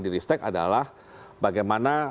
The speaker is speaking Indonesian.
di ristek adalah bagaimana